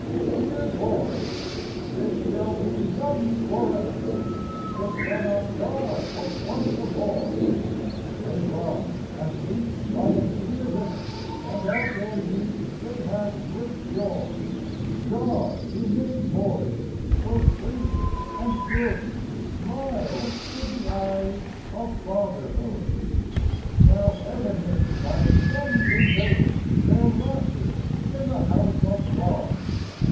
Dear boys ! They shall be young for ever. The Son of God was once a boy. They run and leap by a clear river And of their youth they have great joy. God who made boys so clean and good Smiles with the eyes of fatherhood. FLOWER OF YOUTH 55 Now Heaven is by the young invaded ; Their laughter's in the House of God.